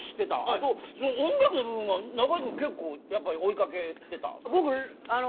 音楽の部分は中居君結構やっぱり追い掛けてた？